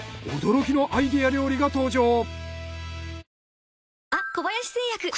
驚きのアイデア料理が登場！